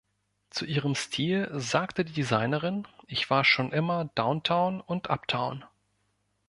Zu ihrem Stil sagte die Designerin: Ich war schon immer Downtown und Uptown.